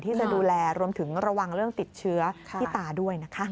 ที่จะดูแลรวมถึงระวังเรื่องติดเชื้อที่ตาด้วยนะคะ